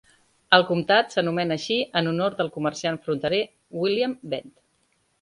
El comtat s'anomena així en honor del comerciant fronterer William Bent.